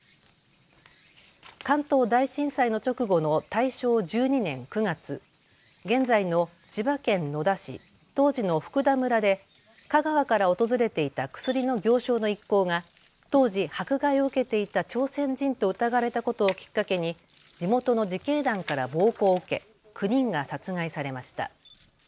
関東大震災の直後の大正１２年９月、現在の千葉県野田市、当時の福田村で香川から訪れていた薬の行商の一行が当時、迫害を受けていた朝鮮人と疑われたことをきっかけに地元の自警団から暴行を受け９人が殺害されました。